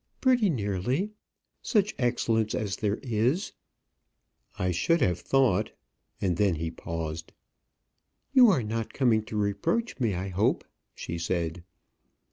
"Pretty nearly; such excellence as there is." "I should have thought " and then he paused. "You are not coming to reproach me, I hope," she said.